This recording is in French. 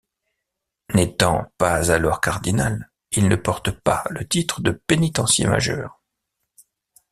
N'étant pas alors cardinal, il ne porte pas le titre de pénitencier majeur.